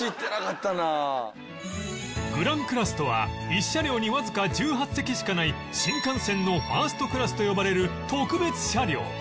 グランクラスとは１車両にわずか１８席しかない新幹線のファーストクラスと呼ばれる特別車両